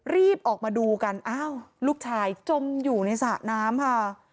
รีบออกมาดูกันอ้าวลูกชายจมอยู่ในสระน้ำค่ะ